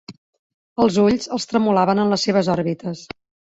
Els ulls els tremolaven en les seves òrbites.